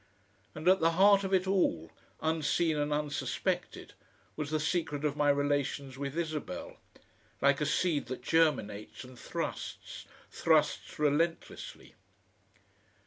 And at the heart of it all, unseen and unsuspected, was the secret of my relations with Isabel like a seed that germinates and thrusts, thrusts relentlessly.